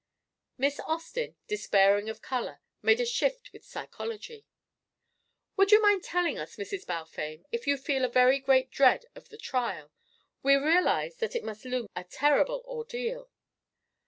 Miss Austin, despairing of colour, made a shift with psychology. "Would you mind telling us, Mrs. Balfame, if you feel a very great dread of the trial? We realise that it must loom a terrible ordeal."